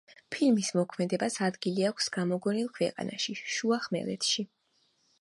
ფილმის მოქმედებას ადგილი აქვს გამოგონილ ქვეყანაში, შუახმელეთში.